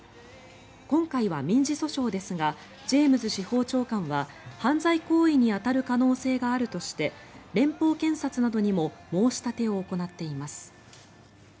今回は民事訴訟ですがジェームズ司法長官は犯罪行為に当たる可能性があるとして連邦検察などにも申し立てを行っています。